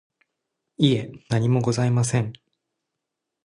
いえ、何もございません。